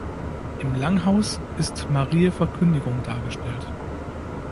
Im Langhaus ist Mariä Verkündigung dargestellt.